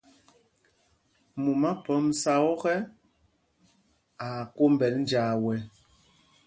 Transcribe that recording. Mumá phɔmsa ɔ́kɛ, aa kwómbɛl njāā wɛ̄.